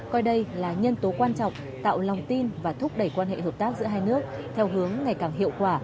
coi đây là nhân tố quan trọng tạo lòng tin và thúc đẩy quan hệ hợp tác giữa hai nước theo hướng ngày càng hiệu quả